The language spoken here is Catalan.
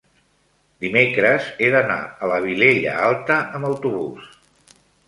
dimecres he d'anar a la Vilella Alta amb autobús.